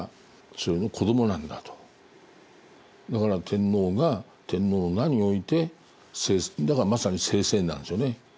だから天皇が天皇の名においてだからまさに聖戦なんですよね。